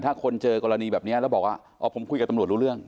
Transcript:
ถ้าคนเจอกรณีแบบนี้แล้วบอกว่าอ๋อผมคุยกับตำรวจรู้เรื่อง